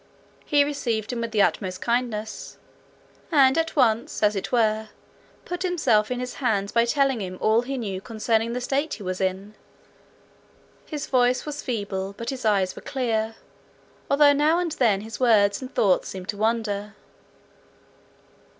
He received him with the utmost kindness, and at once, as it were, put himself in his hands by telling him all he knew concerning the state he was in. His voice was feeble, but his eye was clear, although now and then his words and thoughts seemed to wander.